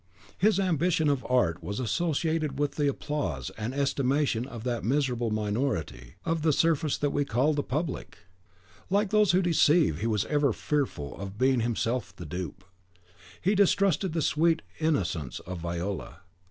His ambition of art was associated with the applause and estimation of that miserable minority of the surface that we call the Public. Like those who deceive, he was ever fearful of being himself the dupe. He distrusted the sweet innocence of Viola.